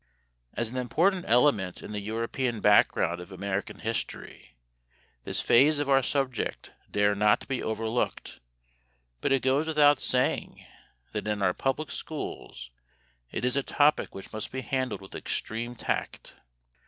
As an important element in the European background of American history, this phase of our subject dare not be overlooked, but it goes without saying that in our public schools it is a topic which must be handled with extreme tact.